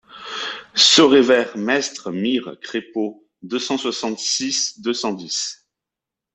Sorevers, maistres myres Crépeaux deux cent soixante-six deux cent dix.